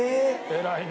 偉いね。